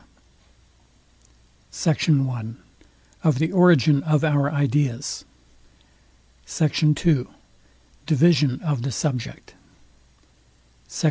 SECT. I OF THE ORIGIN OF OUR IDEAS. SECT. II. DIVISION OF THE SUBJECT. SECT.